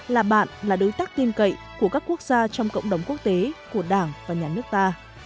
là bạn là đối tác tin cậy của các quốc gia trong cộng đồng quốc tế của đảng và nhà nước ta